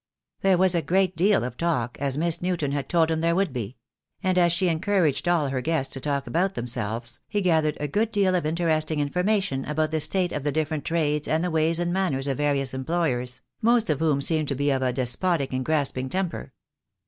There was a great deal of talk, as Miss Newton had told him there would be; and as she encouraged all her guests to talk about themselves, he gathered a good deal of interesting information about the state of the different trades and the ways and manners of various employers, most of whom seemed to be of a despotic and grasping temper.